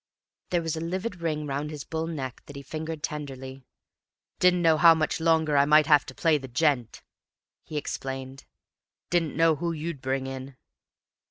There was a livid ring round his bull neck, that he fingered tenderly. "Didn't know how much longer I might have to play the gent," he explained; "didn't know who you'd bring in."